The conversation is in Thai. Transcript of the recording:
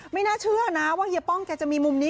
ไม่น่าเชื่อนะว่าเฮียป้องแกจะมีมุมนี้